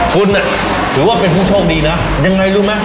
คุณถือว่าเป็นผู้โชคดีนะยังไงรู้ไหม